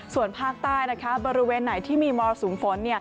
ส่วนภาคใต้บริเวณไหนที่มีมรสุมฝน